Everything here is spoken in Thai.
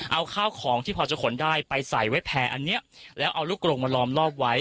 เอาข้าวของที่พอจะขนได้ไปใส่ไว้แพร่อันเนี้ยแล้วเอาลูกกรงมาล้อมรอบไว้